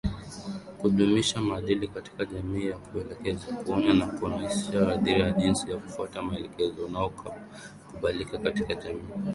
Kudumisha maadili katika jamii kwa kuelekeza, kuonya na kunasihi hadhira jinsi ya kufuata mwelekeo unaokubalika katika jamii.